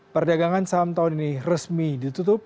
perdagangan saham tahun ini resmi ditutup